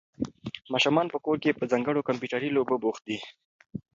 ماشومان په کور کې په ځانګړو کمپیوټري لوبو بوخت دي.